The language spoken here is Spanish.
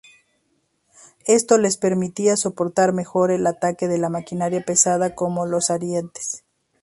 Esto les permitía soportar mejor el ataque de la maquinaria pesada como los arietes.